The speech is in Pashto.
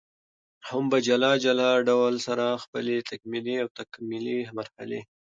هم په جلا جلا ډول سره خپلي تکمیلي او تکاملي مرحلې